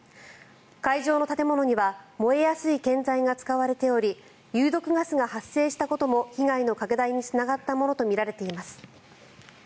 会場の建物には燃えやすい建材が使われており有毒ガスが発生したことも被害の拡大につながったものとみられています。